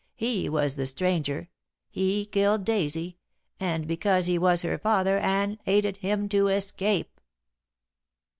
He was the stranger; he killed Daisy, and because he was her father Anne aided him to escape."